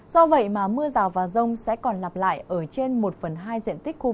do vậy mà mưa rào và rông sẽ còn lặp lại ở trên một phần hai diện tích khu vực